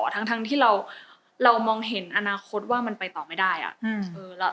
ทั้งที่เรามองเห็นอนาคตว่ามันไปต่อไม่ได้อะ